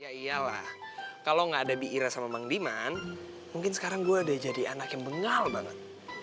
ya iyalah kalau nggak ada bi ira sama bang diman mungkin sekarang gue udah jadi anak yang bengal banget